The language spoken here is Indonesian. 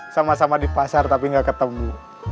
sama sama di pasar tapi nggak ketemu